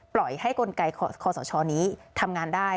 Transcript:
ปล่อยให้กลไกคศนี้ทำงานได้